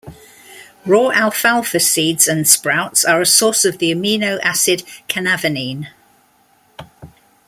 Raw alfalfa seeds and sprouts are a source of the amino acid canavanine.